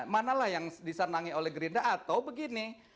manalah yang disanangi oleh gerindra atau begini